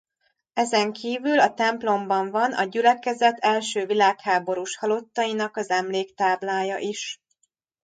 Ezenkívül a templomban van a gyülekezet első világháborús halottainak az emléktáblája is.